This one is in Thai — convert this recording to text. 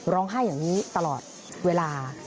ร้องไห้อย่างนี้ตลอดเวลา